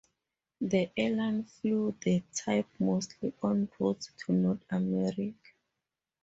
The airline flew the type mostly on routes to North America.